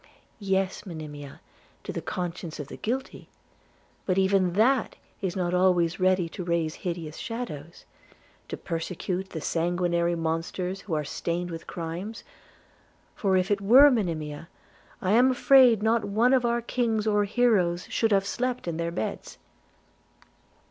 'Yes, Monimia, to the conscience of the guilty; but even that is not always ready to raise hideous shadows to persecute the sanguinary monsters who are stained with crimes; for if it were, Monimia, I am afraid not one of our kings or heroes could have slept in their beds.'